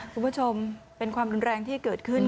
คุณผู้ชมเป็นความรุนแรงที่เกิดขึ้น